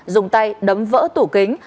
dùng tay đấm vỡ tủ kính